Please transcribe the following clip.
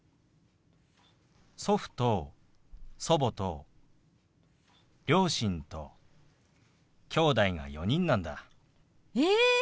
祖父と祖母と両親ときょうだいが４人なんだ。え！